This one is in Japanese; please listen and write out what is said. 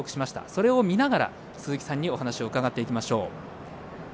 それを見ながら鈴木さんにお話を伺っていきましょう。